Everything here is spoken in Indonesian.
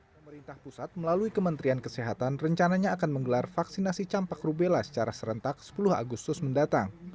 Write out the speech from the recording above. pemerintah pusat melalui kementerian kesehatan rencananya akan menggelar vaksinasi campak rubella secara serentak sepuluh agustus mendatang